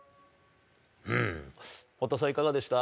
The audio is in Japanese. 堀田さん、いかがでしたか？